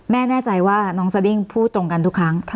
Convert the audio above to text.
แน่ใจว่าน้องสดิ้งพูดตรงกันทุกครั้ง